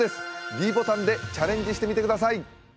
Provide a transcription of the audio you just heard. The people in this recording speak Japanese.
ｄボタンでチャレンジしてみてください